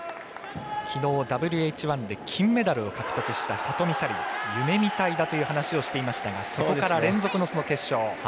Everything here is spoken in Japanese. きのう、ＷＨ１で金メダルを獲得した里見紗李奈、夢みたいだという話をしていましたがそこから連続の決勝。